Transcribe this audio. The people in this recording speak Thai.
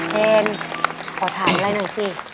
เชนขอถามหน่อยหน่อยสิ